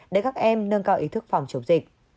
để các em nâng cao ý thức phòng chống dịch